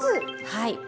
はい。